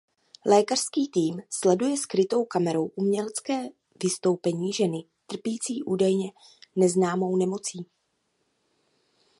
Lékařský tým sleduje skrytou kamerou umělecké vystoupení ženy trpící údajně neznámou nemocí.